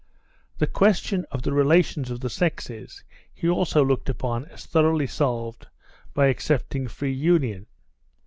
The question of the relations of the sexes he also looked upon as thoroughly solved by accepting free union.